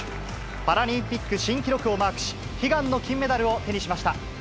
パラリンピック新記録をマークし、悲願の金メダルを手にしました。